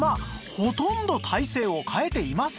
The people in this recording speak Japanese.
ほとんど体勢を変えていません